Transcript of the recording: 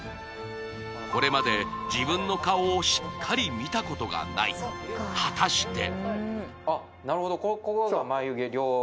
これまで自分の顔をしっかり見たことがない果たして？